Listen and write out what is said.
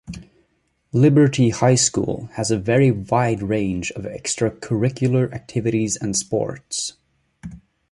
Liberty High School has a very wide range of extracurricular activities and sports.